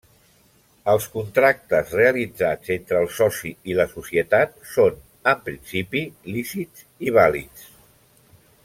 Els contractes realitzats entre el soci i la societat són en principi lícits i vàlids.